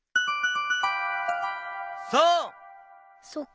そっか。